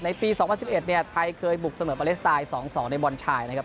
ในปี๒๐๑๑ไทยเคยบุกเสมอประเล็กสไตล์๒๒ในบอลชายนะครับ